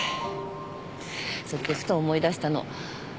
それでふと思い出したの。